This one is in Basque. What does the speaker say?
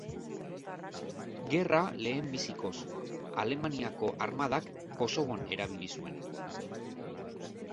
Gerra lehenbizikoz, Alemaniako Armadak Kosovon erabili zuen.